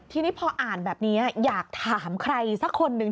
ทีนี้พออ่านแบบนี้อยากถามใครสักคนหนึ่ง